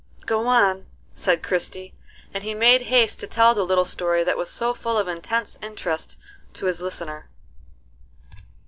"Go on," said Christie, and he made haste to tell the little story that was so full of intense interest to his listener.